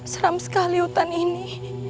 seram sekali hutan ini